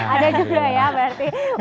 ada juga ya berarti